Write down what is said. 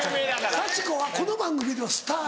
サチコはこの番組ではスター。